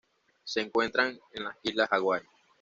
Se encuentran en las Islas Hawái.